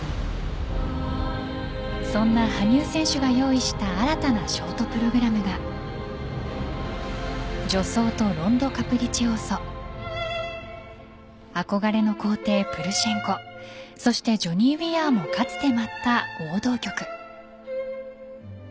そんな羽生選手が用意した新たなショートプログラムが「序奏とロンド・カプリチオーソ」憧れの皇帝・プルシェンコそしてジョニー・ウィアーもかつて舞った王道曲。